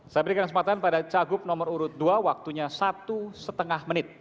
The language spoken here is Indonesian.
saya berikan kesempatan pada cagup nomor urut dua waktunya satu lima menit